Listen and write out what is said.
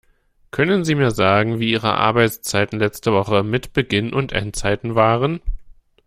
Können sie mir sagen, wir ihre Arbeitszeiten letzte Woche mit Beginn und Endzeiten waren?